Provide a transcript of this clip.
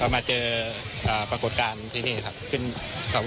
เราก็มาเจอปรากฎการณ์ที่นี่ครับ